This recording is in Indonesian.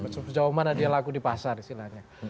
sejauh mana dia laku di pasar istilahnya